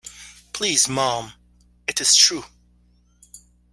Please, mum, it is true.